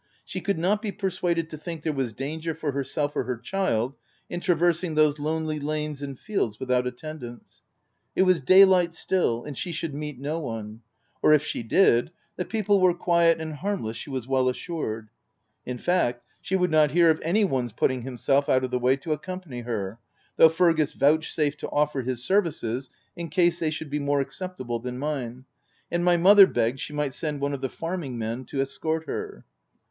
She could not be persuaded to think there was danger for herself or her child in traversing those lonely lanes and fields without attend ance. It was day light still, and she should meet no one ; or if she did, the people were quiet and harmless she was well assured. In fact, she would not hear of any one's putting himself out of the way to accompany her, though Fergus vouchsafed to offer his services, OF WILDFELL HALL. 1 7^ in case they should be more acceptable than mine, and my mother begged she might send one of the farming men to escort her.